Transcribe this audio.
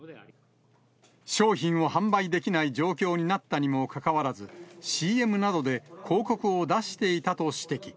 商品を販売できない状況になったにもかかわらず、ＣＭなどで広告を出していたと指摘。